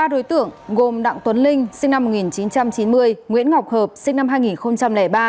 ba đối tượng gồm đặng tuấn linh sinh năm một nghìn chín trăm chín mươi nguyễn ngọc hợp sinh năm hai nghìn ba